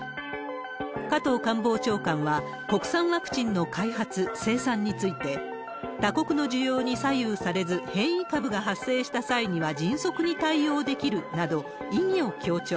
加藤官房長官は、国産ワクチンの開発、生産について、他国の需要に左右されず、変異株が発生した際には迅速に対応できるなど、意義を強調。